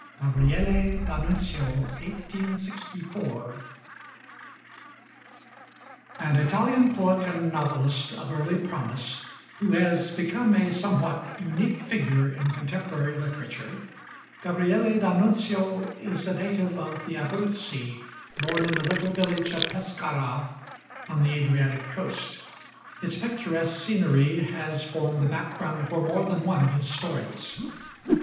GABRIELE D'ANNUNZIO (1864 ) An Italian poet and novelist of early promise, who has become a somewhat unique figure in contemporary literature, Gabriele d'Annunzio is a native of the Abruzzi, born in the little village of Pescara, on the Adriatic coast. Its picturesque scenery has formed the background for more than one of his stories.